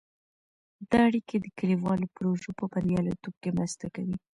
دا اړیکې د کلیوالو پروژو په بریالیتوب کې مرسته کوي.